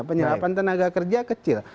penyerapan tenaga kerja kecil